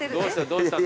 どうした？